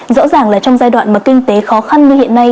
rõ ràng là trong giai đoạn mà kinh tế khó khăn như hiện nay